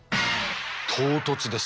唐突です。